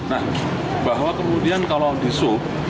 nah bahwa kemudian kalau di sub